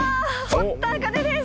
堀田茜です